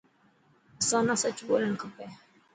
اسان نا سچ ٻولڻ کپي.